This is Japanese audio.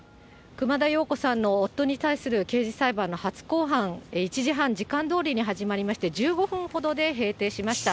熊田曜子さんの夫に対する刑事裁判の初公判、１時半、時間どおりに始まりまして、１５分ほどで閉廷しました。